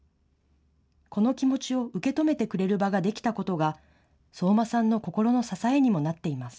この気持ちを受け止めてくれる場ができたことが相馬さんの心の支えにもなっています。